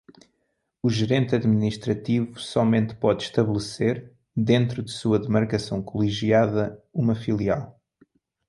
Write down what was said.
O gerente administrativo somente pode estabelecer, dentro de sua demarcação colegiada, uma filial.